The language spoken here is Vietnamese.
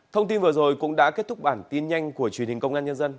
thông tin vừa rồi cũng đã kết thúc bản tin nhanh của truyền hình công an nhân dân